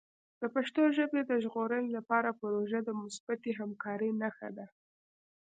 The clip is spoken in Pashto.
د پښتو ژبې د ژغورنې لپاره پروژه د مثبتې همکارۍ نښه ده.